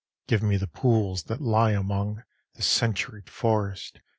Give me the pools, that lie among The centuried forests!